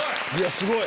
すごい！